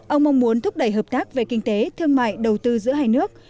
ông mong muốn thúc đẩy hợp tác về kinh tế thương mại đầu tư giữa hai nước